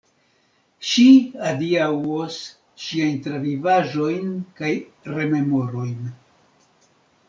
Ŝi adiaŭos siajn travivaĵojn kaj rememorojn.